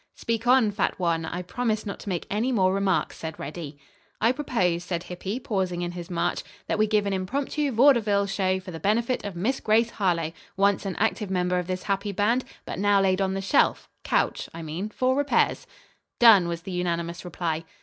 "Speak on, fat one. I promise not to make any more remarks," said Reddy. "I propose," said Hippy, pausing in his march, "that we give an impromptu vaudeville show for the benefit of Miss Grace Harlowe, once an active member of this happy band, but now laid on the shelf couch, I mean for repairs." "Done," was the unanimous reply.